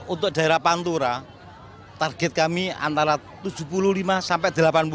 untuk daerah pantura target kami antara tujuh puluh lima sampai delapan puluh